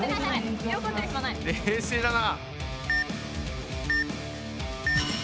冷静だな。